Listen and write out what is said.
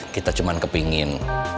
kita cuman kepengen